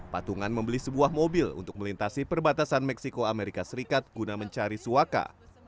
patungan membeli sebuah mobil untuk melintasi perbatasan meksiko amerika serikat guna mencari suaka